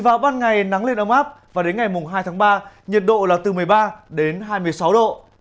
vào ban ngày nắng lên ấm áp và đến ngày hai tháng ba nhiệt độ là từ một mươi ba đến hai mươi sáu độ